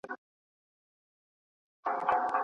هو، خلفای راشدینو د هر انسان کرامت ته په ډېره درنه سترګه کتل.